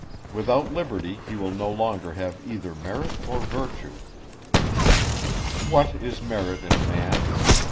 Without liberty, he will no longer have either merit or virtue." What is merit in man?